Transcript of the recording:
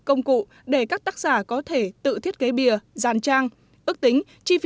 công cụ để các tác giả có thể tự thiết kế bìa dàn trang ước tính